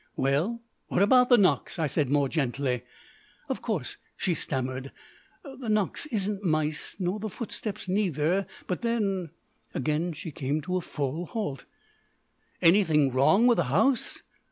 "Well, what about the knocks?" I said more gently. "Of course," she stammered, "the knocks isn't mice, nor the footsteps neither, but then " Again she came to a full halt. "Anything wrong with the house?"